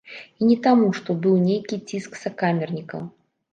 І не таму, што быў нейкі ціск сакамернікаў.